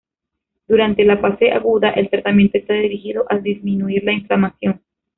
Durante la fase aguda el tratamiento está dirigido a disminuir la inflamación.